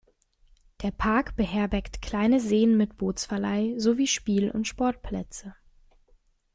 Der Park beherbergt kleine Seen mit Bootsverleih sowie Spiel- und Sportplätze.